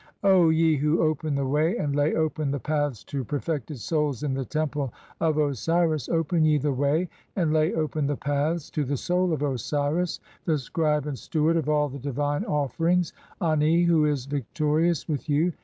"O ye who open the way (37) and lay open the paths to per fected souls in the Temple (38) of Osiris, open ye the way "and lay open the paths (3g) to the soul of Osiris, the scribe "and steward of all the divine offerings, Ani [who is victorious] "(40) with you.